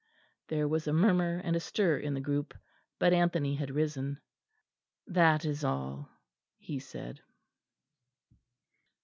There was a murmur and stir in the group. But Anthony had risen. "That is all," he said.